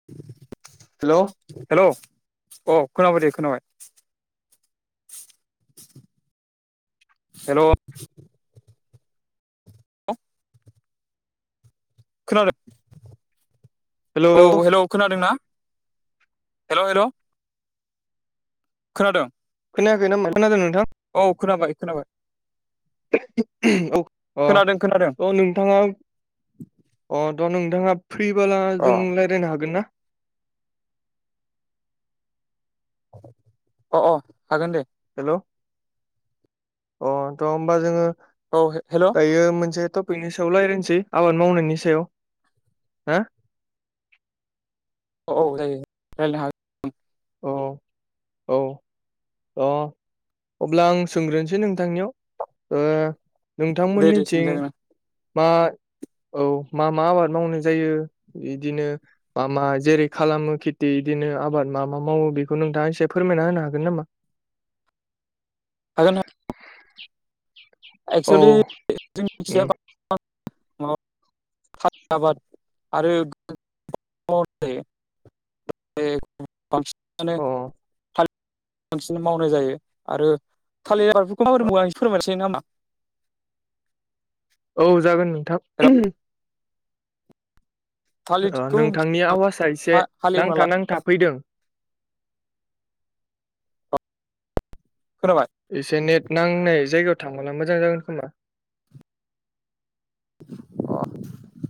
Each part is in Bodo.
[inaudible] हेल' हेल' अ खोनाबाय दे खोनाबाय हेल' [inaudible] खोनादों हेलौ औ हेलौ हेल' खोनादों ना हेल' हेल' खोनादों? खोनायाखै नामा खोनादों नोंथां? औ खोनाबाय खोनाबाय औ अ खोनादों खोनादों अ नोंथाङा अ द' नोंथाङा फ्रिबोला अ जों रायज्लायनो हागोन ना? अ अ हागोन दे। हेल' अ थ' होमबा जोङो औ हेल' दायो मोनसे टपिकनि सायाव रायज्लायनोसै आबाद मावनायनि सायाव हा औ औ जायो रायलायनो हागोन। औ औ अ अब्ला आं सोंग्रोनोसै नोंथांनियाव ओ हागोन दे दे नोंथांमोननिथिं सोंजागोन मा औ मा मा आबाद मावनाय जायो बिदिनो मा मा जेरै खालामो खेथि इदिनो आबाद मा मा मावो बेखौ नोंथाङा एसे फोरमायना होनो हागोन नामा? हागोन [inaudible] औ एक्सुलि [unintelligible] उम [unintelligible] आबाद आरो बे बांसिनानो अ थालिर आबादखौनो बांसिन मावनाय जायो आरो थालिर आबादफोरखौ मा बोरै मावो आं एसे फोरमायनोसै नामा? औ जागोन हेलौ नोंथां। थालिरखौ नोंथांनि आवाजआ एसे हालेवना नांथा ला नांथा फैदों खोनाबाय? एसे नेट नांनाय जायगायाव थांबोला मोजां जागोन खोमा अ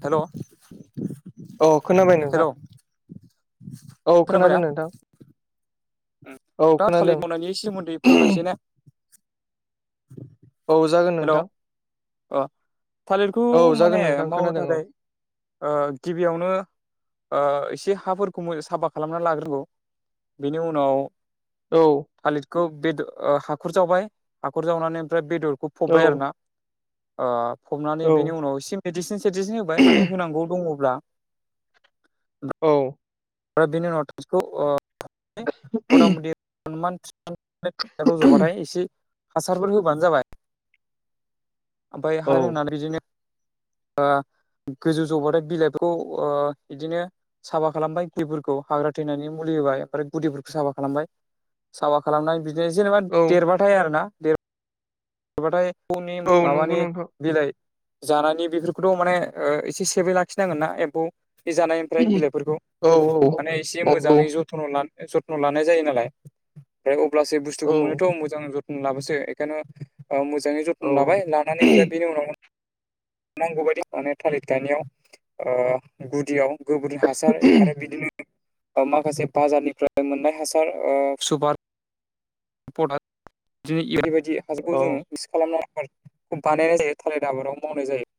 हेल' औ खोनाबाय नोंथां औ खोनाबाय ना खोनादों नोंथां। औ दा खोनादों थालिर मावनायनि सोमोन्दै फोरमायनोसै ने औ जागोन हेल' नोंथां अ थालिरखौ औ जागोन माने नोंथां मावनो खोनादों औ थाखाय ओ गिबियावनो ओ एसे हाफोरखौ मो साफा खालामना लाग्रो नांगौ बेनि उनाव औ थालिरखौ बेदर हाखर जावबाय हाखर जावनानै ओमफ्राय बेदरखौ औ फबबाय आरो ना ओ फबनानै बिनि उनाव एसे मेडिसिन सेडिसिन होबाय माने होनांगौ दङब्ला ओमफ्राय औ [unintelligible] [unintelligible] औ रज'बाथाय एसे हासारफोर होबानो जाबाय ओमफ्राय औ हासार होनानै बिदिनो ओ गोजौ जौबाथाय बिलाइफोरखौ बिदिनो ओ साफा खालामबाय। गुदिफोरखौ हाग्रा थैनायनि मुलि होबाय। ओमफ्राय गुदिफोरखौ साफा खालामबाय साफा खालामना बि जेनेबा औ देरबाथाय आरो ना देरबाथाय एमफौनि औ नंगौ माबानि नोंथां बिलाइ जानायनि बेफोरखौथ' माने एसे सेबै लाखिनांगोन ना एम्फौ बे जानायनिफ्राय बिलाइफोरखौ औ औ माने एसे नंगौ मोजाङै ज जथ्न' लानाय जायो नालाय ओमफ्राय अब्लासो बुस्थुखौ औ मोनोथ' मोजां ज थन लाबोसो। बेखायनो मोजाङै औ जथ'न लाबाय लानानै ओमफ्राय बेनि उनाव नांगौ बायदि माने थालिर थानायाव गुदियाव गोबोरि हासार आरो बिदिनो माखासे बाजारनिफ्राय मोननाय हासार ओ सुपार [unintelligible] औ हासारखौ जोङो मिक्स खालामनानै आबादखौ बानायनाय जायो थालिर आबादाव मावनाय जायो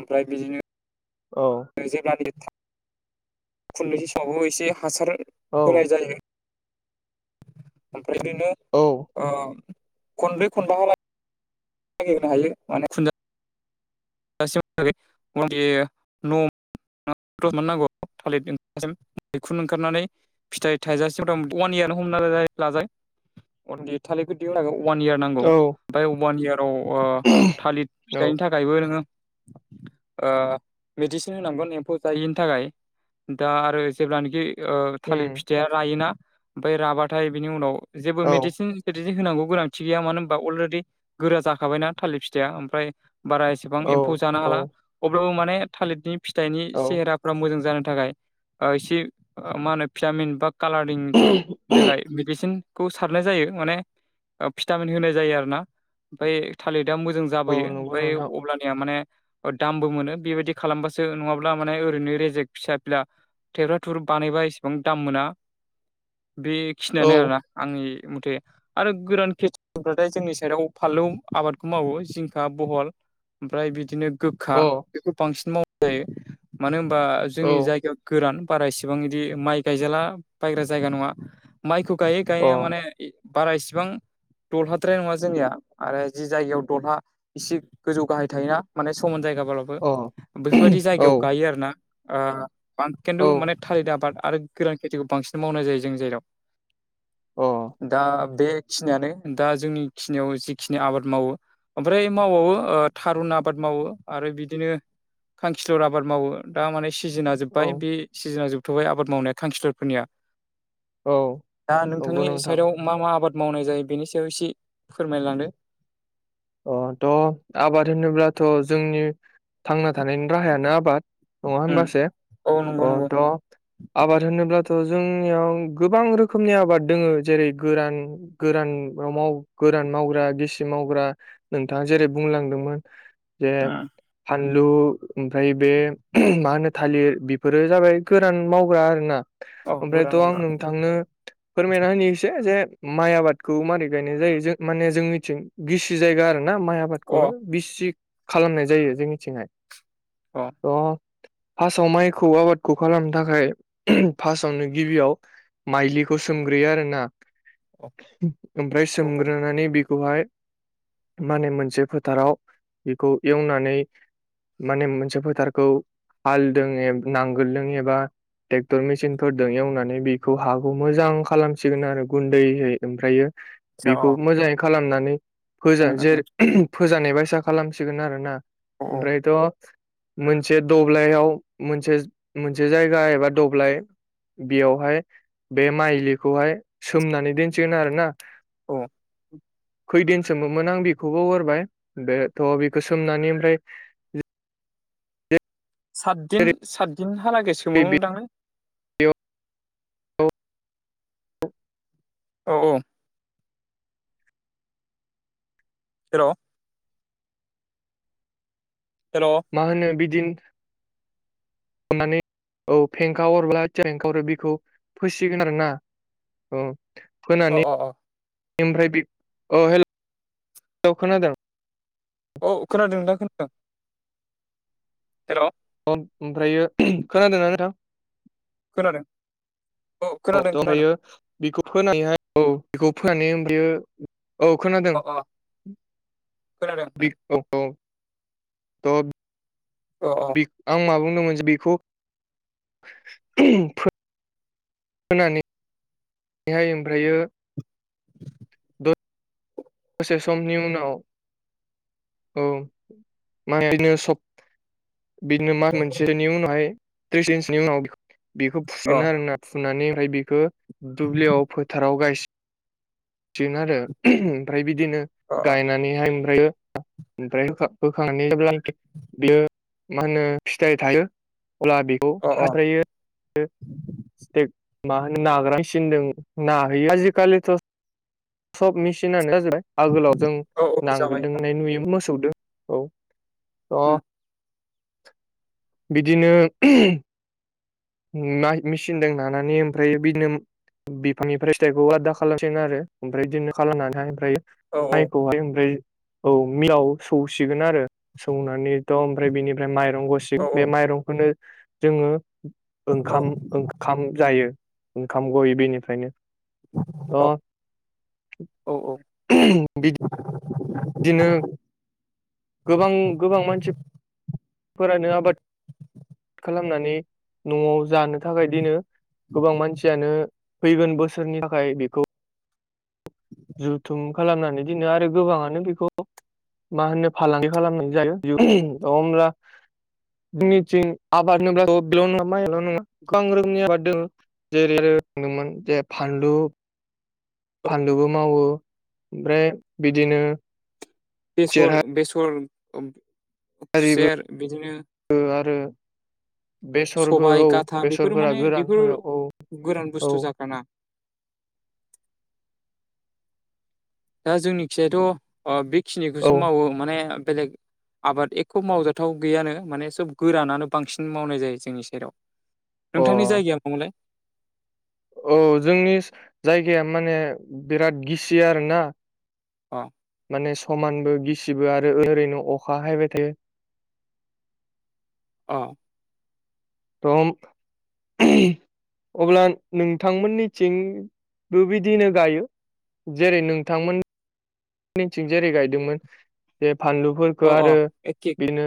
ओमफ्राय बिदिनो औ। जेब्लानिखि खुं खुंनोसै समावबो एसे हासार औ होनाय जायो। ओमफ्राय बिदिनो औ। ओ खनब्रै खनबाहाला [unintelligible] [unintelligible] [unintelligible] मैखुन ओंखारनानै फिथाइ थाइजासिम मथामति अवान इयारानो हमना लाजायो। थालिरखौ दिहुनो थाखाय अवान इयार नांगौ। ओमफाय अवान इयाराव थालिर फिथाइनि था खायबो नोङो मिडिसिन होनांगोन एम्फौ जायिनि थाखाय। दा आरो जेब्लानोखि थालिर फिथाइया रायोना ओमफ्राय राबाथाय बिनि उनाव जेबो औ मेडिसिन होनांगौ गोनांथि गैया मानो होनबा अलरेडि गोरा जाखाबायना थालिर फिथाइया ओमफ्राय बारा एस सेबां औ एम्फौ जानो औ हाला अब्लाबो माने थालिरनि फिथाइनि औ सेहेरा फ्रा मोजां जानो थाखाय इसे मा होनो भिटामिन बा कालारिंनि थाखाय मिदिसिन खौ सारनाय जायो माने भिटामिन होनाय जायो आरोना ओमफ्राय थालिरा मोजां जा औ जाबोयो नंगौ ओमफ्राय नोंथां अब्ला या माने दामबो मोनो बेबायदि खालामबासो नङाब्ला माने ओरैनो रेजेक फिसा फिला थेब्रा थुब्रि बानायबा एसेबां दाम मोना बेखिनियानो औ आरोना। आंनि मथे। आरो गोरान खेथि [unintelligible] थाय जोंनि साइडआव फानलौ आबादखौ मावो, जिंखा बहल। ओमफ्राय बिदिनो गोखा अ बेखौ बांसिन मावनाय जायो। मानो होनबा जोंनि औ जायगायाव गोरान बारा इसेबां बिदि माइ गायजाला बायग्रा जायगा नङा। माइखौ गायो अ गायनाया माने बारा इसिबां दलहाद्राय नङा जोंनिया आरो जि जायगायाव दलहा इसे गोजौ गाहाय थायोना माने समान जायगाब्लाबो अ बेफोरबायदि औ जायगायाव गायो आरोना। औ खिन्थु माने थालिर आबाद आरो गोरान खेथिखौ बांसिन मावनाय जायो जोंनि जायगायाव। अह। दा बेखिनियानो दा जोंनि खिनियाव जिखिनि आबाद मावो। ओमफ्राय मावबावो थारुन आबाद मावो आरो बिदिनो खांखिलर आबाद मावो। दा माने सिजोना जोब्बाय औ बे सिजोना जोबथ'बाय आबाद मावनाया खांखिलरफोरनिया। औ दा नंगौ नोंथांनि नोंथां साइडआव मा मा आबाद मावनाय जायो बेनि सायाव एसे फोरमायलांदो। अह थ' आबाद होनोब्लाथ' जोंनि थांना थानायनि राहायानो आबाद नङा उम होनबासो। औ अ नंगौ नंगौ थ' आबाद होनोब्लाथ' जोंनियाव गोबां रोखोमनि आबाद दोङो जेरै गोरान गोरान मा माव गोरान मावग्रा गिसि मावग्रा नोंथाङा जेरै बुंलांदोंमोन जे उम फानलु ओमफ्राय बे मा होनो थालिर बेफोरो जाबाय गोरान मावग्रा आरोना। औ ओमफ्रायथ' गोरान आं अरा नोंथांनो फोरमायना होनि इसे जे माइ आबादखौ मारै गायनाय जायो जों माने जोंनिथिं गिस जायगा आरो ना माइ अ आबादखौनो गिसि खालामनाय जायो जोंनिथिंहाय। अ'। थ' फार्स्टआव माइखौ आबादखौ खालामनो थाखाय फार्स्टावनो गिबियाव माइलिखौ सोमग्रोयो आरो ना ओमफ्राय औ सोमग्रोनानै बिखौहाय माने मोनसे फोथाराव बेखौ एवनानै माने मोनसे फोथारखौ हालदों ए नांगोलदों एबा टेक्टर मेसिनफोरदों एवनानै बेखौ हाखौ मोजां खालामसिगोन आरो गुन्दैैहै ओमफ्रायो आदसा बिखौ मोजाङै खालामनानै अ फोजा उम उम जेरै फोजानाय बायसा खालामसिगोन आरोना। औ औ आमफ्रायथ' मोनसे दब्लायाव मोनसे मोनसे जायगा एबा दब्लाय बेयावहाय बे माइज्लिखौहाय सोमनानै दोनसिगोन आरो ना। औ। खैदिन सोमोमोन आं बेखौ बावगारबाय बेथ' बेखौ सोमनानै ओमफ्राय सातदिन ओरै सातदिन हालागै सोमो मोनदां लै। बेयाव औ औ औ। हेल'! हेल'! मा होनो बिदिन नानै औ फेंखा हरब्ला जे ओंखारो बेखौ फोसिगोन आरो ना। औ फोनानै अ अ ओमफ्राय बि अ' हेल' खोनादों? औ खोनादों नोंथां खोनादों। हेल'। ओमफ्रायो खोनादोंना नोंथां? खोनादों। औ खोनादों थ' खोनादों आमफायो बेखौ फोनानैहाय औ बेखौ फोनानै बेयो औ खोनादों अ अ खोनादों बि औ औ थ' अ अ बि आं मा बुंदोंमोन बिखौ फोनानै हाय ओमफ्रायो दसे समनि उनाव औ [unintelligible] बिदिनो मास मोनसेनि उनावहाय थ्रिस इन्सनि उनाव बेखौ अ फुसिगोन आरोना। फुनानै ओमफ्राय बेखो दुब्लियाव फोथाराव गायस सिगोन आरो ओमफ्राय बिदिनो अ गायनानैहाय ओमफ्रायो ओमफ्राय होखां होखांनानै जेब्लानाखि बेयो मा होनो फिथाइ थायो अब्ला बि औ अ अ हाद्रायो ओ [unintelligible] मा होनो नाग्रां मेसिनदों नाहैयो आजिखालिथ' सब मेसिनानो जाजोबबाय आगोलाव जों औ औ नांगोल जाबाय दोंनाय नुयो मोसौदो औ उम थ' बिदिनो मा मिसिनदों नानानै ओमफ्राय बिनो बिफांनिफ्राय फिथाइखौ आदा खालामसिगोन आरो ओमफ्राय बिदिनो खालामनानैहाय ओमफ्रायो औ औ माइखौहाय ओमफ्राय औ मिलाव सौसिगोन आरो सौनानैथ' आमफ्राय बेनिफ्राय माइ औ गसिं बे माइरंखौनो जोङो। ओंखाम औ ओंखाम जायो ओंखाम गयै बेनिफ्रायनो अ औ औ औ उम बिदिनो गोबां गोबां मानसिफोरानो आबाद खालामनानै नआव जानो। थाखाय दिनो गोबां मानसियानो फैगोन बोसोरनि थाखाय बेखौ। जुथुम खालामनानै दोनो आरो गोबाङानो बेखौ। मा होनो फालांगि खालामनाय जायो उम अ होमब्ला निथिं आबाद [unintelligible] नङा माइल नङा गोबां रोखोमनि आबाद दोङ जेरै रोंदोंमोन जे फानलु फानलुबो मावो ओमफ्राय बिदिनो खुसेर बेसल बेसल हारिबो खुसेर बिदिनो आरो बेसरबो सबाय औ गाथा बेफोरो बेसरफोरा माने गोरान बेफोर हायाव औ गोरान औ बुस्थु जाग्राना दा जोंनिखिायाथ' औ बेखिनिखौसो मावो माने बेलेग आबाद एखौ' मावजाथाव गैयानो माने सब गोरानानो बांसिन मावनाय जायो जोंनि सेराव अ नोंथांनि जायगाया मंलाय। औ जोंनि जायगाया माने बिराद गिसि आरोना। अ माने समानबो गिसिबो आरो ओरैनो अखा हायबाय थायो। अ थम उम अब्ला नोंथांमोननिथिंबो बिदिनो गायो। जेरै नोंथांमोन। निथिं जेरै गायदोंमोन बे अ फानलुफोरखो अ आरो एखे बेदिनो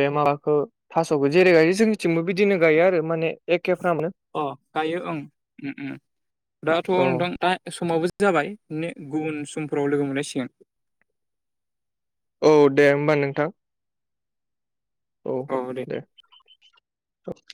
बे माबाखौ थासखौ जेरै गायो जोंनिथिंबो बिदिनो गायो आरो माने एखेफ्रामनो। अ गायो ओं उम उम दाथ औ नोंथां दा समावबो जा जाबाय ने गुबुन समफोराव लोगो मोनलाय सिगोन। औ दे होमबा नोंथां। औ दे